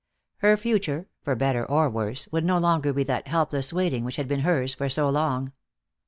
Her future, for better or worse, would no longer be that helpless waiting which had been hers for so long.